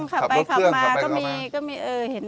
ขับไปขับมาขับรถเครื่อง